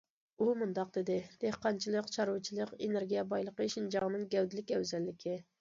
ئۇ مۇنداق دېدى: دېھقانچىلىق، چارۋىچىلىق ۋە ئېنېرگىيە بايلىقى شىنجاڭنىڭ گەۋدىلىك ئەۋزەللىكى.